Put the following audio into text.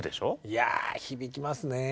いや響きますね。